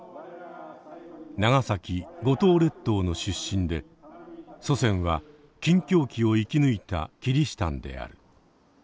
長崎・五島列島の出身で祖先は禁教期を生き抜いたキリシタンである。